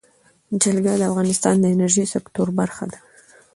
جلګه د افغانستان د انرژۍ سکتور برخه ده.